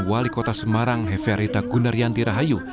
wali kota semarang heferita gunaryanti rahayu